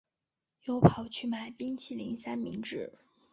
又跑去买冰淇淋三明治